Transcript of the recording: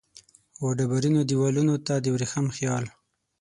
وډبرینو دیوالونو ته د وریښم خیال